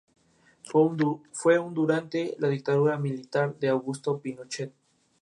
Nace en Barcelona, se inicia laboralmente vendiendo periódicos y luego en una imprenta.